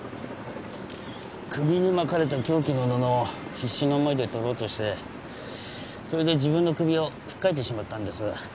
首に巻かれた凶器の布を必死の思いで取ろうとしてそれで自分の首を引っかいてしまったんです。